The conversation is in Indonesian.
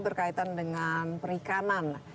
berkaitan dengan perikanan